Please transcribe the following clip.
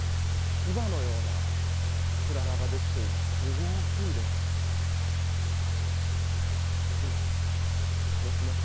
牙のようなつららができています。